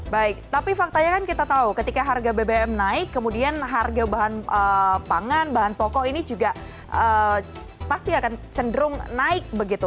baik tapi faktanya kan kita tahu ketika harga bbm naik kemudian harga bahan pangan bahan pokok ini juga pasti akan cenderung naik begitu